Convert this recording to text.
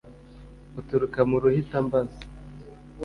Uturuka mu Ruhitambazi